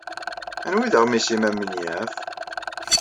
Anwa ay d aɣmis-nnem amenyaf?